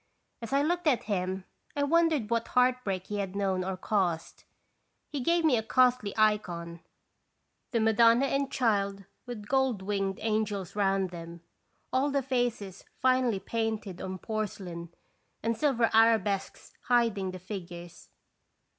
As I looked at him I wondered what heartbreak he had known or caused. He gave me a costly icon, the Madonna and Child with gold winged angels round them, all the faces finely painted on porcelain, and silver arabesques hiding the figures.